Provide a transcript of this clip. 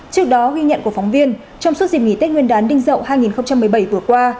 trước đó ghi nhận của phóng viên trong suốt dịp nghỉ tết nguyên đán đinh dậu hai nghìn một mươi bảy vừa qua